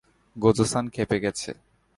Gojo-san ক্ষেপে গেছে!